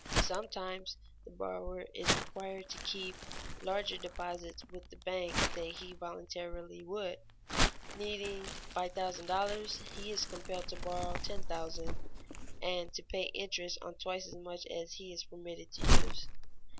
Sometimes the borrower is required to keep larger deposits with the bank than he voluntarily would. Needing $5000, he is compelled to borrow $10,000 and to pay interest on twice as much as he is permitted to use.